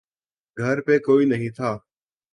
گھر پے کوئی نہیں تھا۔